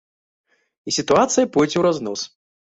І сітуацыя пойдзе ўразнос.